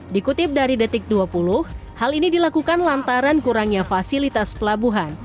dikutip dari detik dua puluh hal ini dilakukan lantaran kurangnya fasilitas pelabuhan